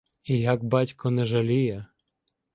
І як батько не жаліє